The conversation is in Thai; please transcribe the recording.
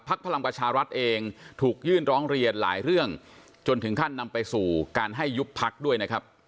พลังประชารัฐเองถูกยื่นร้องเรียนหลายเรื่องจนถึงขั้นนำไปสู่การให้ยุบพักด้วยนะครับ